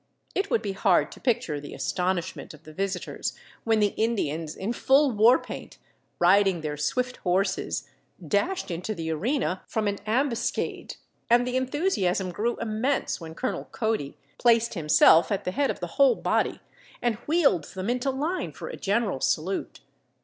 It would be hard to picture the astonishment of the visitors when the Indians, in full war paint, riding their swift horses, dashed into the arena from an ambuscade, and the enthusiasm grew immense when Colonel Cody placed himself at the head of the whole body and wheeled them into line for a general salute.